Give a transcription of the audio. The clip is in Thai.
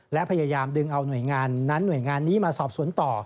และพยายามดึงเอาหน่วยงานนั้นหน่วยงานนี้มาสอบสวนต่อ